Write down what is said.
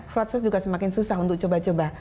proses juga semakin susah untuk coba coba